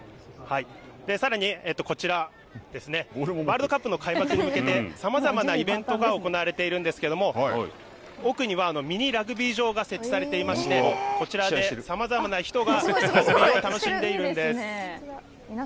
さらに、こちら、ワールドカップの開幕に向けて、さまざまイベントが行われているんですけれども、奥にはミニラグビー場が設置されていまして、こちらでさまざまな人がラグビーを楽しんでいるんです。